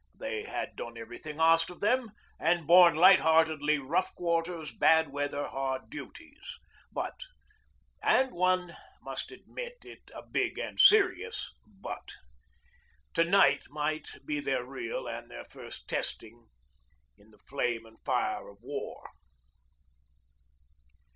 They had done everything asked of them and borne light heartedly rough quarters, bad weather, hard duties. But and one must admit it a big and serious 'but' to night might be their real and their first testing in the flame and fire of War.